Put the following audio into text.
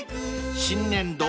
［新年度